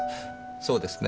そうですね？